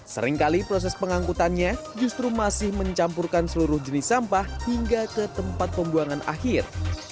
seringkali proses pengangkutannya justru masih mencampurkan seluruh jenis sampah hingga ke tempat pembuangan akhir